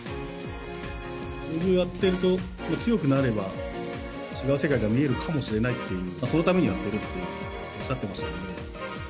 将棋をやってると、強くなれば違う世界が見えるかもしれないって、そのためにやっているっておっしゃってましたね。